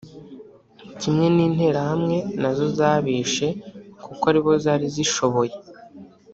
Kimwe n’interahamwe nazo zabishe kuko aribo zari zishoboye